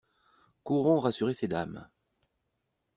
Courons rassurer ces dames.